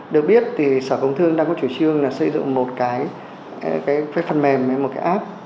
được biết thì sở công thương đang có chủ trương là sử dụng một cái phần mềm một cái app